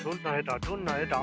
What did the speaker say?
どんな絵だ？